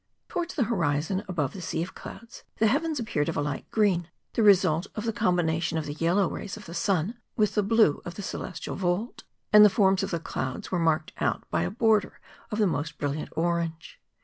Towards the horizon, above .the sea of clouds, the heavens appeared of a light green, the result of the combination of the yellow rays of the sun with the blue of the celestial vault; and the forms of the clouds were marked out by a border of the most brilliant orange.